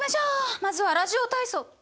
まずはラジオ体操。